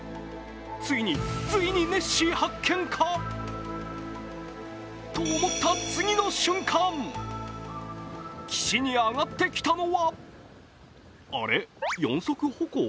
ついに、ついにネッシー発見か？と思った次の瞬間岸に上がってきたのはあれ、四足歩行？